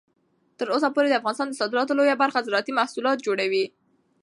تر اوسه پورې د افغانستان د صادراتو لویه برخه زراعتي محصولات جوړوي.